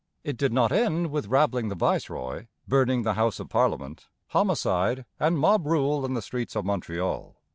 It did not end with rabbling the viceroy, burning the House of Parliament, homicide, and mob rule in the streets of Montreal.